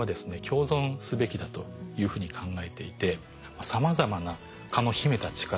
共存すべきだというふうに考えていてさまざまな蚊の秘めた力。